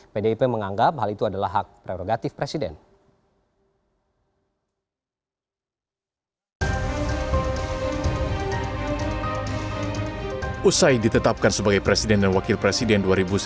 pdip menganggap hal itu adalah hak prerogatif presiden